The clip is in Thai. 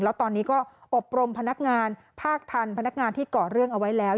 แล้วตอนนี้ก็อบรมพนักงานภาคทันพนักงานที่เกาะเรื่องเอาไว้แล้ว